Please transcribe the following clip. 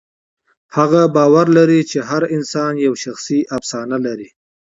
هغه باور لري چې هر انسان یوه شخصي افسانه لري.